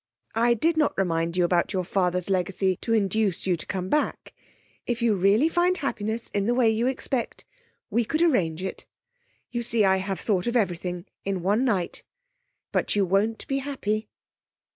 I did not remind you about your father's legacy to induce you to come back. If you really find happiness in the way you expect, we could arrange it. You see, I have thought of everything, in one night. But you won't be happy.